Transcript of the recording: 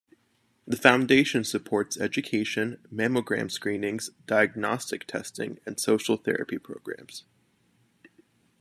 The Foundation supports education, mammogram screenings, diagnostic testing and social therapy programs.